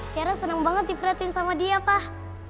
tiara seneng banget diperhatiin sama dia pak